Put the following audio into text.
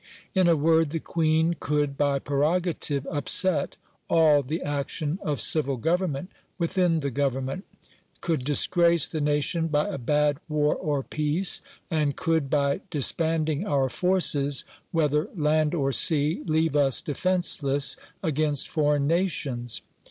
In a word, the Queen could by prerogative upset all the action of civil government within the Government, could disgrace the nation by a bad war or peace, and could, by disbanding our forces, whether land or sea, leave us defenceless against foreign nations.